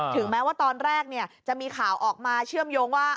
ถึงแม้ว่าตอนแรกจะมีข่าวออกมาเชื่อมโยงว่า